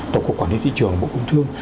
tổng cục quản lý thị trường bộ công thương